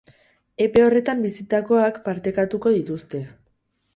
Epe horretan bizitakoak partekatuko dituzte.